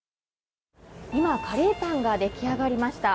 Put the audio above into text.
今、カレーパンが出来上がりました。